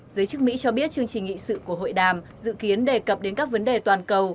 giới chức mỹ cho biết chương trình nghị sự của hội đàm dự kiến đề cập đến các vấn đề toàn cầu